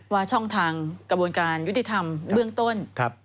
ช่องทางกระบวนการยุติธรรมเบื้องต้น